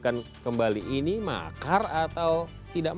saya akan lanjutkan ini tapi kita harus jeda terlebih dahulu